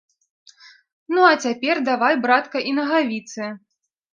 Ну, а цяпер давай, братка, і нагавіцы.